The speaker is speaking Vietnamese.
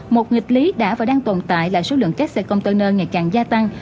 một nghịch lý đã và đang tồn tại là số lượng các xe container ngày càng gia tăng